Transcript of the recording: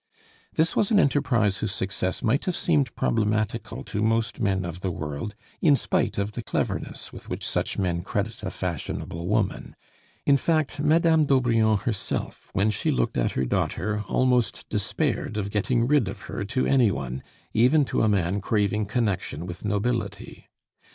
This was an enterprise whose success might have seemed problematical to most men of the world, in spite of the cleverness with which such men credit a fashionable woman; in fact, Madame d'Aubrion herself, when she looked at her daughter, almost despaired of getting rid of her to any one, even to a man craving connection with nobility.